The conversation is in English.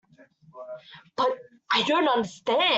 But I don't understand.